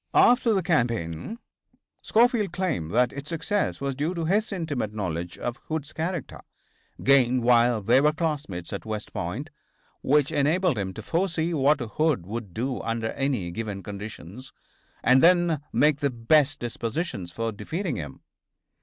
After the campaign Schofield claimed that its success was due to his intimate knowledge of Hood's character, gained while they were classmates at West Point, which enabled him to foresee what Hood would do under any given conditions, and then make the best dispositions for defeating him.